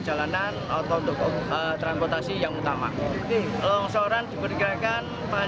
jalan longsor yang tersebut terkait dengan jalan utama